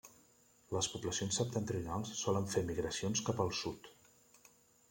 Les poblacions septentrionals solen fer migracions cap al sud.